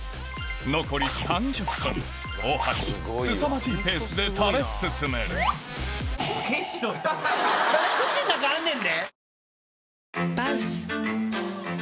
残り３０分大橋すさまじいペースで食べ進めるまだ口の中あんねんで。